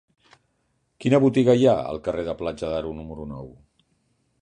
Quina botiga hi ha al carrer de Platja d'Aro número nou?